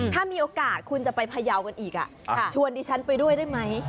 ถ้ามีโอกาสคุณจะไปพยาวกันอีกชวนดิฉันไปด้วยได้ไหม